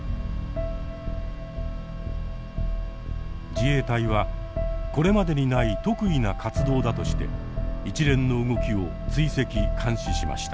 自衛隊はこれまでにない特異な活動だとして一連の動きを追跡監視しました。